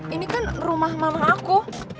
ini kan rumah mama aku